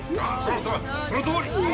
そのとおり！